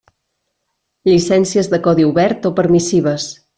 Llicències de codi obert o permissives.